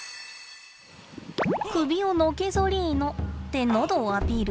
首をのけぞりので喉をアピール？